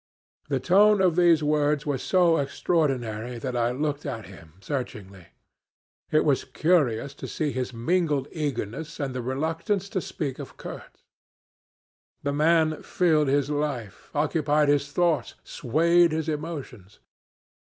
The tone of these words was so extraordinary that I looked at him searchingly. It was curious to see his mingled eagerness and reluctance to speak of Kurtz. The man filled his life, occupied his thoughts, swayed his emotions.